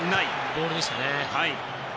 ボールでしたからね。